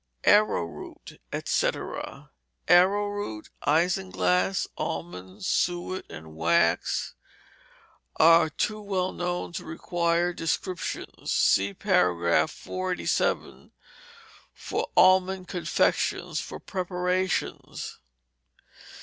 Arrowroot etc. Arrowroot, islinglass, almonds, suet, and wax, are too well known to require descriptions. (See par 487, for "Almond Confection" for preparations.)